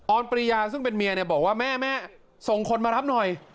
อนปริยาซึ่งเป็นเมียเนี่ยบอกว่าแม่ส่งคนมารับหน่อย